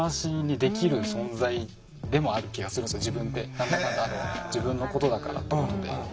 何だかんだ自分のことだからってことで。